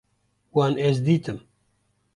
Wan ez dîtim